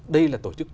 đây là tổ chức